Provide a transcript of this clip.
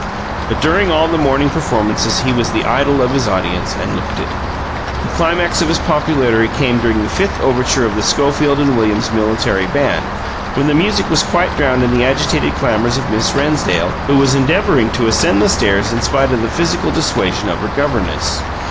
But during all the morning performances he was the idol of his audience and looked it! The climax of his popularity came during the fifth overture of the Schofield and Williams Military Band, when the music was quite drowned in the agitated clamours of Miss Rennsdale, who was endeavouring to ascend the stairs in spite of the physical dissuasion of her governess.